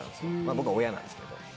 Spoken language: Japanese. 僕は親なんですけど。